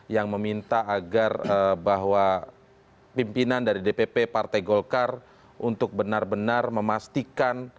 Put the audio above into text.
yang meminta agar bahwa pimpinan dari dpp partai golkar untuk benar benar memastikan